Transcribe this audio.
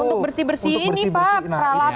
untuk bersih bersih ini pak peralatan